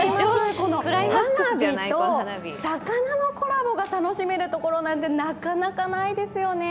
この花火と魚のコラボが楽しめるところなんてなかなかないですよね。